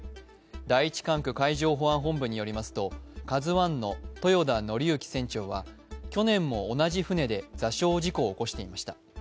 第一管区海上保安本部によりますと、「ＫＡＺＵⅠ」の豊田徳幸船長は去年も同じ船で座礁事故を起こしていました。